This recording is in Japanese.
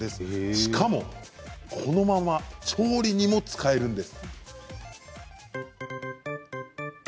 しかも、このまま調理にも使えるんです。